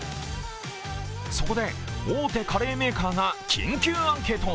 そこで大手カレーメーカーが緊急アンケート。